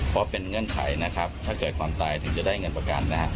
ฟังเสียงธนายภัยสาร